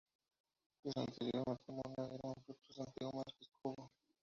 De su anterior matrimonio era fruto Santiago Márquez Cobo.